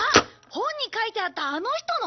本に書いてあったあの人の？